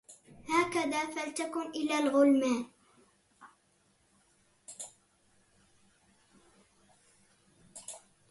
هكذا فلتكن إلى الغلمان